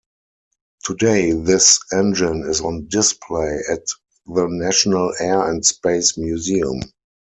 Today this engine is on display at the National Air and Space Museum.